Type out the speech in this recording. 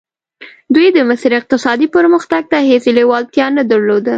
دوی د مصر اقتصادي پرمختګ ته هېڅ لېوالتیا نه درلوده.